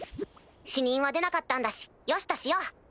死人は出なかったんだしよしとしよう。